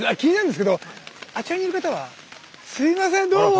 すいませんどうも。